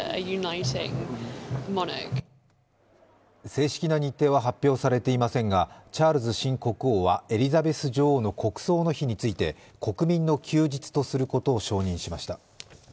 正式な日程は発表されていませんがチャールズ新国王はエリザベス女王の国葬の日について、国民の休日とすることを承認しました。